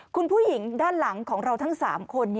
คุณผู้หญิงด้านหลังของเราทั้ง๓คน